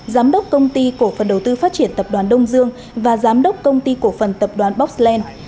giám đốc công ty cổ phần đầu tư phát triển tập đoàn đông dương và giám đốc công ty cổ phần tập đoàn boxland